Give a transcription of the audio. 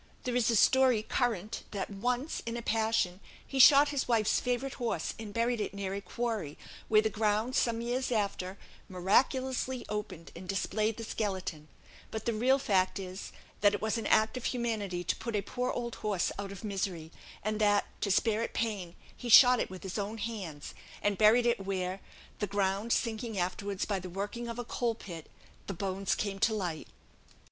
There is a story current that once, in a passion, he shot his wife's favourite horse, and buried it near a quarry, where the ground, some years after, miraculously opened and displayed the skeleton; but the real fact is, that it was an act of humanity to put a poor old horse out of misery; and that, to spare it pain, he shot it with his own hands, and buried it where, the ground sinking afterwards by the working of a coal pit, the bones came to light.